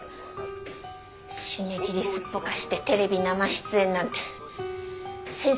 締め切りすっぽかしてテレビ生出演なんて先生